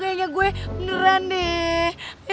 kayaknya gue beneran deh